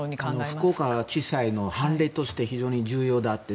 福岡地裁の判例として非常に重要だって。